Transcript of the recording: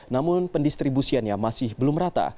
namun pendistribusiannya masih belum rata